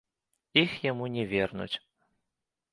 Іх яму не вернуць.